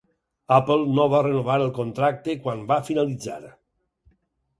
Apple no va renovar el contracte quan va finalitzar.